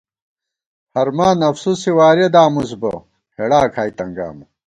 ہرمان افسُوسےوارِیَہ دامُس بہ، ہېڑا کھائی تنگامہ